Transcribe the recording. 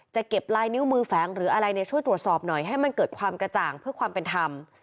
เก็บลายนิ้วมือแฝงหรืออะไรช่วยตรวจสอบหน่อยให้มันเกิดความกระจ่างเพื่อความเป็นธรรม